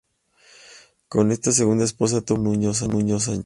Con esta segunda esposa tuvo un hijo: Nuño Sánchez.